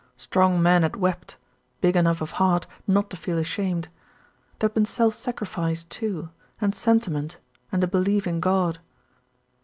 Strong men had wept, big enough of heart not to feel ashamed. There had been self sacrifice, too, and sentiment, and a be lief in God.